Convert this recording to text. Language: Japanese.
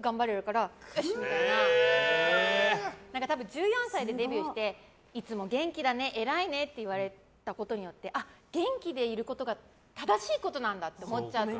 １４歳でデビューしていつも元気だね、偉いねって言われたことによってあっ、元気でいることが正しいことなんだって思っちゃって。